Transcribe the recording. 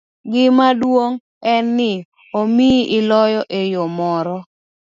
Gima duong' en ni omiyi ilo eyo moro.